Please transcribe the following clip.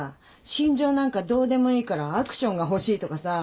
心情なんかどうでもいいからアクションが欲しいとかさ。